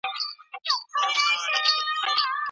ایا مسلکي بڼوال وچه الوچه صادروي؟